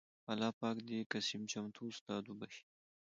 اللهٔ پاک د قسيم چمتو استاد وبښي